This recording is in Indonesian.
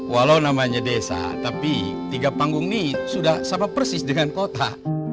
walau namanya desa tapi tiga panggung ini sudah sama persis dengan kota